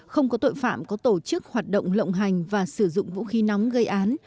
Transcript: không có tội phạm có tổ chức hoạt động lộng hành và sử dụng vũ khí nóng gây án